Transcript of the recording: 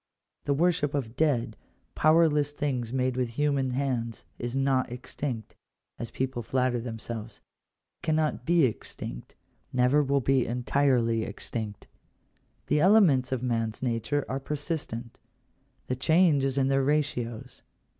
The worship of dead, powerless things made with human hands is not extinct, as people flatter themselves — cannot he extinct — never will be entirely extinct The elements of man's nature are persistent : the change is in their ratios.